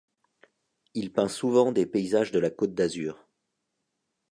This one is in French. Il peint souvent des paysages de la Côte d'Azur.